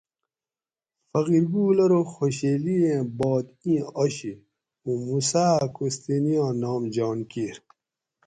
فقیر گل ارو خوشیلیٔں بات ایں آشی اوں موسیٰ اۤ کوستینیاں نام جان کیر